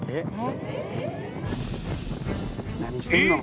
［えっ！？